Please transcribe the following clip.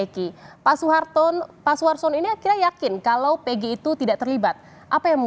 kenapa paul kembali untuk berjalan